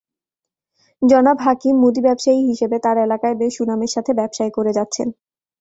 জনাব হাকিম মুদি ব্যবসায়ী হিসেবে তাঁর এলাকায় বেশ সুনামের সাথে ব্যবসায় করে যাচ্ছেন।